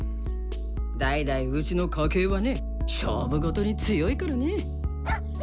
代々うちの家系はね勝負事に強いからね！